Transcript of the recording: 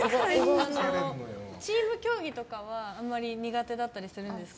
チーム競技とかは苦手だったりするんですか？